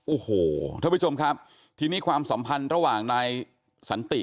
โอ้โหท่านผู้ชมครับทีนี้ความสัมพันธ์ระหว่างนายสันติ